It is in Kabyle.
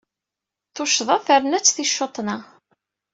Tuccḍa terna-tt ticcuṭna.